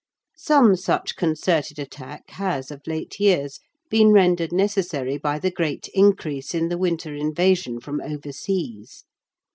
Some such concerted attack has of late years been rendered necessary by the great increase in the winter invasion from overseas.